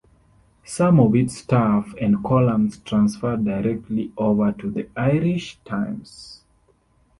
Some of its staff and columns transferred directly over to "The Irish Times".